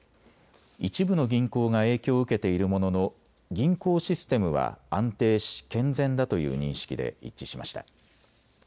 一部の銀行が影響を受けているものの銀行システムは安定し健全だという認識で一致しました。